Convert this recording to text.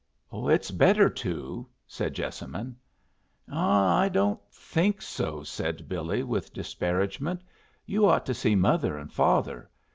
"It's better to," said Jessamine. "Ah, I don't think so," said Billy, with disparagement. "You ought to see mother and father.